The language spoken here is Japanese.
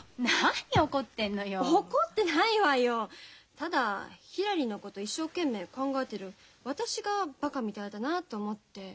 ただひらりのこと一生懸命考えてる私がバカみたいだなと思って。